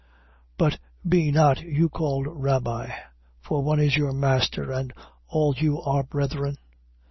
23:8. But be not you called Rabbi. For one is your master: and all you are brethren.